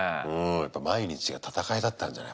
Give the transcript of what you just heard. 毎日が戦いだったんじゃない？